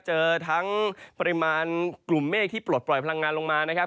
เจอทั้งปริมาณกลุ่มเมฆที่ปลดปล่อยพลังงานลงมานะครับ